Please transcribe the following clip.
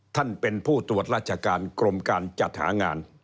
ท่านเป็นผู้ตรวจราชการกรมการจัดหางาน